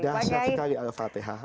dahsyat sekali al fatihah